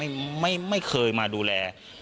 ไม่เคยมาดูแล